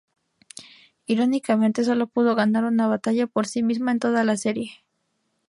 Irónicamente solo pudo ganar una batalla por sí misma en toda la serie.